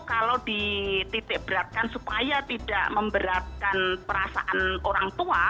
kalau dititik beratkan supaya tidak memberatkan perasaan orang tua